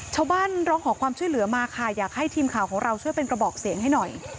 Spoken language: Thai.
ร้องขอความช่วยเหลือมาค่ะอยากให้ทีมข่าวของเราช่วยเป็นกระบอกเสียงให้หน่อย